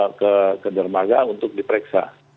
kita ke dermaga untuk diperiksa